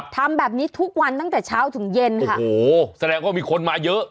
ทำแบบนี้ทุกวันตั้งแต่เช้าถึงเย็นค่ะโอ้โหแสดงว่ามีคนมาเยอะ